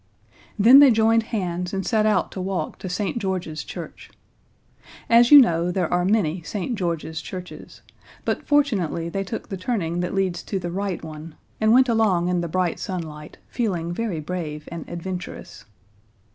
Then they joined hands and set out to walk to St. George's Church. As you know, there are many St. George's churches, but fortunately they took the turning that leads to the right one, and went along in the bright sunlight, feeling very brave and adventurous.